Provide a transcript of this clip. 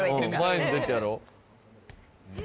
前に出てやろうええ